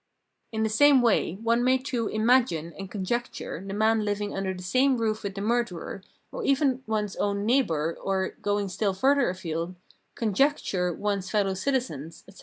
In the same way one may too " imagine " and " con jecture " the man hving under the same roof with the murderer, or even one's own neighbour, or, going still 326 Phenomenology of Mind further afield, " conjecture " one's fellow citizens, etc.